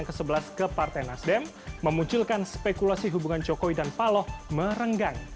ke sebelas ke partai nasdem memunculkan spekulasi hubungan jokowi dan paloh merenggang